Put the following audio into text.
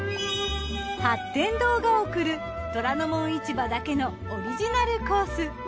八天堂が贈る『虎ノ門市場』だけのオリジナルコース。